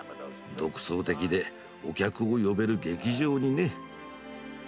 独創的でお客を呼べる「劇場」にね。